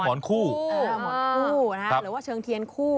หมอนคู่หรือว่าเชิงเทียนคู่